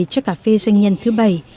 cho cà phê doanh nhân thứ bảy